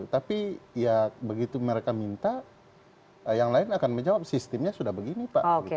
tapi ya begitu mereka minta yang lain akan menjawab sistemnya sudah begini pak